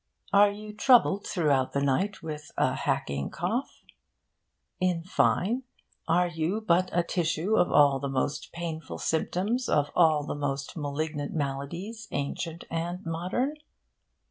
Are you troubled throughout the night with a hacking cough? Are you in fine, are you but a tissue of all the most painful symptoms of all the most malignant maladies ancient and modern?